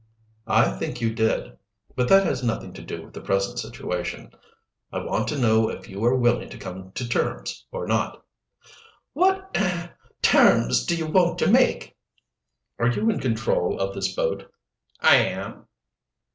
"I think you did. But that has nothing to do with the present situation. I want to know if you are willing to come to terms or not?" "What er terms do you want me to make?" "Are you in control of this boat?' "I am."